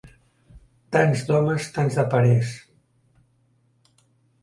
Tants d'homes, tants de parers.